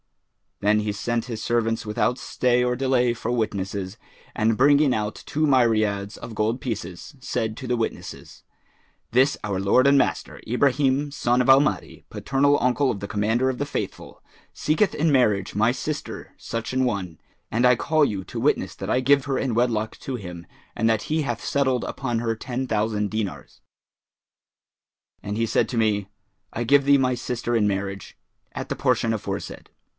Then he sent his servants without stay or delay for witnesses and bringing out two myriads[FN#411] of gold pieces, said to the witnesses, 'This our lord and master, Ibrahim son of Al Mahdi, paternal uncle of the Commander of the Faithful, seeketh in marriage my sister such an one; and I call you to witness that I give her in wedlock to him and that he hath settled upon her ten thousand dinars.' And he said to me, 'I give thee my sister in marriage, at the portion aforesaid.'